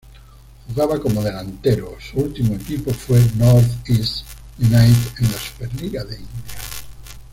Jugaba como delantero, su ultimo equipo fue NorthEast United de la Superliga de India.